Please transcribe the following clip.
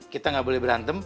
kita nggak boleh berantem